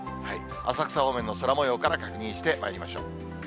浅草方面の空もようから確認してまいりましょう。